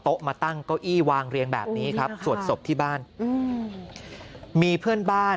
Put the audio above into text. โต๊ะมาตั้งก้อยวางเหรียงแบบนี้ครับสวดศพที่บ้านมีเพื่อนบ้าน